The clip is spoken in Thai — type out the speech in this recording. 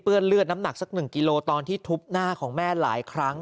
เลือดน้ำหนักสัก๑กิโลตอนที่ทุบหน้าของแม่หลายครั้ง